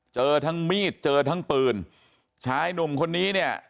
เจอทั้งมีดเจอทั้งปืนชายหนุ่มคนนี้เนี่ย